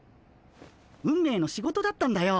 運命の仕事だったんだよ